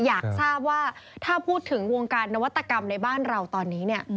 อยากทราบว่าถ้าพูดถึงวงการนวัตกรรมในบ้านเราตอนนี้เนี่ย